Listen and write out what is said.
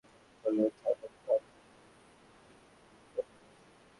নিহত রহিম বাঁশখালীর বাসিন্দা হলেও থাকতেন নগরের হালিশহরের সিমেন্ট ক্রসিং এলাকায়।